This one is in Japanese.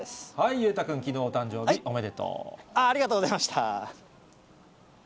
裕太君、きのうお誕生日、ありがとうございました。